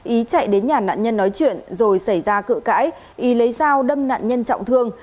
ý chạy đến nhà nạn nhân nói chuyện rồi xảy ra cự cãi ý lấy dao đâm nạn nhân trọng thương